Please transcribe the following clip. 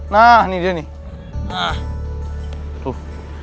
nah nih dia nih